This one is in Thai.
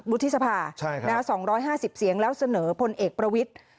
อุทธิสภาใช่ค่ะนะสองร้อยห้าสิบเสียงแล้วเสนอพลเอกประวิติ